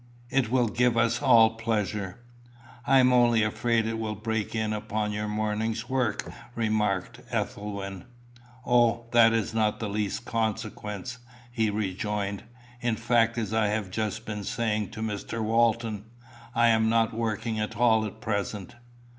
"It will give us all pleasure." "I am only afraid it will break in upon your morning's work," remarked Ethelwyn. "O, that is not of the least consequence," he rejoined. "In fact, as I have just been saying to Mr. Walton, I am not working at all at present.